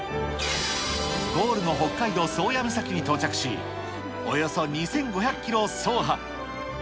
ゴールの北海道宗谷岬に到着し、およそ２５００キロを走破。